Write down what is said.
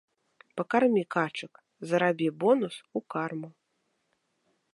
Пакармі качак, зарабі бонус у карму!